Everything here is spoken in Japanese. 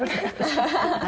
ハハハハ！